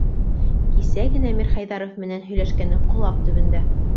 Кисә генә Мирхәйҙәров менән һөйләшкәне ҡолаҡ төбөндә.